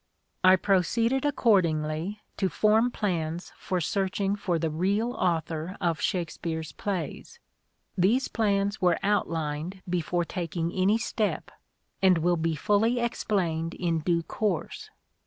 I proceeded accordingly to form plans for searching for the real author of Shakespeare's plays. These plans were outlined before taking any step, and will be fully explained in due course.